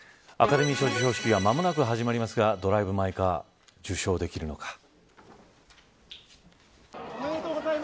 アカデミー賞授賞式が間もなく始まりますがドライブ・マイ・カーは受賞できるのか。